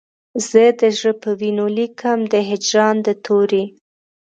زه د زړه په وینو لیکم د هجران د توري